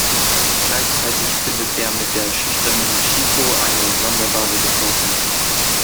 Gleichzeitig findet er mit der schüchternen Chieko eine sonderbare Gefährtin.